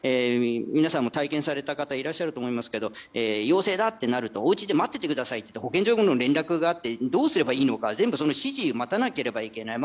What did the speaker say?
皆さんも体験された方いらっしゃるかと思いますけど陽性だとなるとお家で待っていてくださいとなり保健所からの連絡があってどうすればいいのか全部、指示を待たなければいけない。